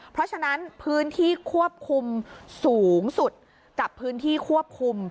เพราะฉะนั้นพื้นที่ควบคุมสูงสุดกับพื้นที่ควบคุม